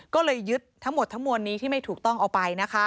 ก็เลยยึดทั้งหมดทั้งมวลนี้ที่ไม่ถูกต้องเอาไปนะคะ